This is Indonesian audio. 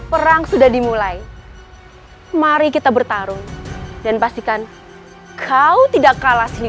perang sudah dimulai hai mari kita bertarung dan pastikan kau tidak kala si rainy